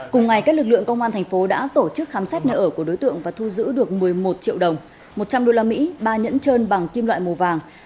cùng ngày các lực lượng công an thành phố đã tổ chức khám xét nơi ở của đối tượng và thu giữ được một mươi một triệu đồng một trăm linh usd ba nhẫn trơn bằng kim loại màu vàng